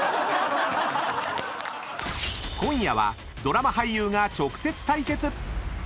［今夜はドラマ俳優が直接対決！］